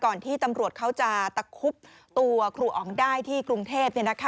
ที่ตำรวจเขาจะตะคุบตัวครูอ๋องได้ที่กรุงเทพ